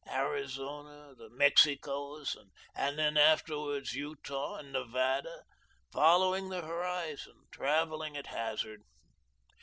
Arizona, The Mexicos, and, then, afterwards, Utah and Nevada, following the horizon, travelling at hazard.